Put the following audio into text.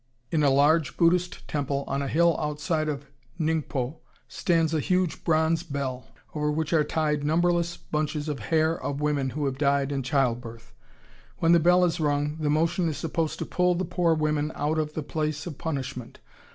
In a large Buddhist temple on a hill outside of Ningpo hangs a huge bronze bell, over which are tied numberless bunches of hair of women who have died in childbirth. When the bell is rung, the motion is supposed to pull the poor women out of the place of punishment.